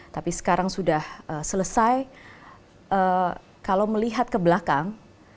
tapi sekarang sudah selesai kalau melihat ke belakang